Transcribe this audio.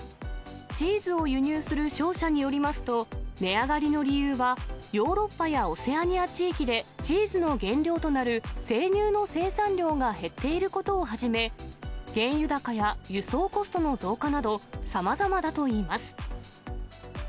チーズを輸入する商社によりますと、値上がりの理由は、ヨーロッパやオセアニア地域で、チーズの原料となる生乳の生産量が減っていることをはじめ、原油高や輸送コストの増加など、さまざまだといいます。